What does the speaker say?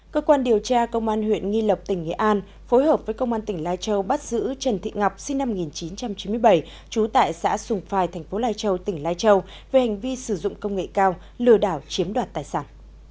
cơ quan điều tra công an huyện nghi lộc tỉnh nghệ an phối hợp với công an tỉnh lai châu bắt giữ trần thị ngọc sinh năm một nghìn chín trăm chín mươi bảy trú tại xã sùng phai tp lai châu tỉnh lai châu về hành vi sử dụng công nghệ cao lừa đảo chiếm đoạt tài sản